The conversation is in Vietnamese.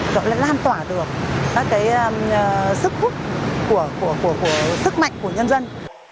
rồi lại lan tỏa được các cái sức khúc của sức mạnh của nhân dân